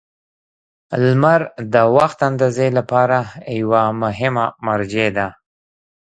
• لمر د وخت اندازې لپاره یوه مهمه مرجع ده.